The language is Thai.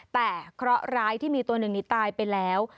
แต่เคราะห์ร้ายที่มีตัวหนึ่งนี้ตายไปแล้ว